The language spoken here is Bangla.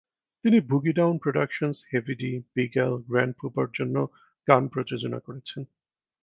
তিনি Boogie Down Productions, Heavy D, Big L, Grand Puba জন্য গান প্রযোজনা করেছেন।